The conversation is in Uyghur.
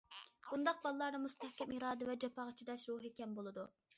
بۇنداق بالىلاردا مۇستەھكەم ئىرادە ۋە جاپاغا چىداش روھى كەم بولىدۇ.